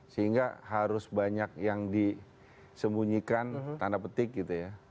sehingga harus banyak yang disembunyikan tanda petik gitu ya